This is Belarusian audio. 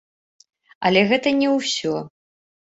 Але гэта не ўсё.